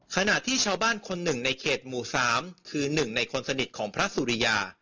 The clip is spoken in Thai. ขณะที่ชาวบ้านคนหนึ่งในเขตหมู่๓คือ๑ในคนสนิทของพระสุริยา